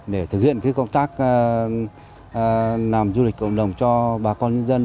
để thực hiện công tác làm du lịch cộng đồng cho bà con nhân dân